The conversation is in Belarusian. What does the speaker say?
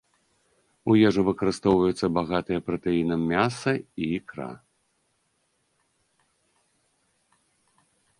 У ежу выкарыстоўваюцца багатыя пратэінам мяса і ікра.